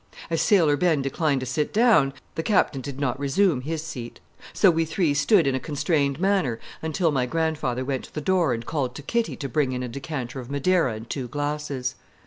As Sailor Ben declined to sit down, the Captain did not resume his seat; so we three stood in a constrained manner until my grandfather went to the door and called to Kitty to bring in a decanter of Madeira and two glasses.